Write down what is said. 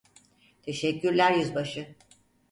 Teşekkürler Yüzbaşı.